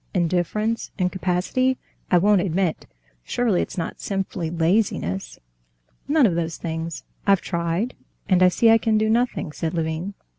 Indifference, incapacity—I won't admit; surely it's not simply laziness?" "None of those things. I've tried, and I see I can do nothing," said Levin.